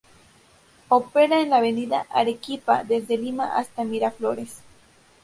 Opera en la avenida Arequipa desde Lima hasta Miraflores.